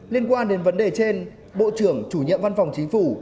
liên quan đến vấn đề trên bộ trưởng chủ nhiệm văn phòng chính phủ